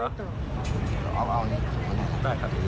ได้ครับ